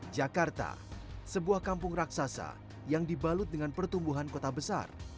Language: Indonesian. jakarta sebuah kampung raksasa yang dibalut dengan pertumbuhan kota besar